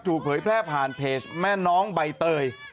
เผยแพร่ผ่านเพจแม่น้องใบเตย